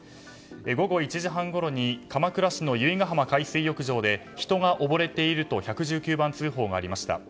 午後１時半ごろに鎌倉市の由比ガ浜海水浴場で人が溺れていると１１９番通報がありました。